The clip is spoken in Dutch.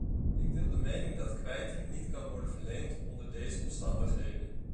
Ik deel de mening dat kwijting niet kan worden verleend onder deze omstandigheden.